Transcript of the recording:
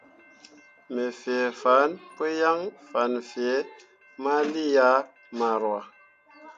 Me fee fan pǝ yaŋ fan fee ma lii ah maroua.